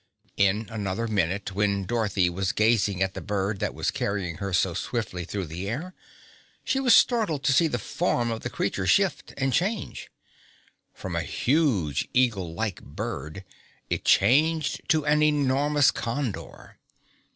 In another minute when Dorothy was gazing at the bird that was carrying her so swiftly through the air, she was startled to see the form of the creature shift and change. From a huge, eagle like bird it changed to an enormous condor.